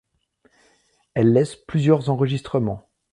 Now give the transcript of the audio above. Elle laisse plusieurs enregistrements.